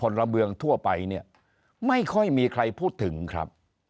สิทธิของผลเมืองทั่วไปเนี่ยไม่ค่อยมีใครพูดถึงครับ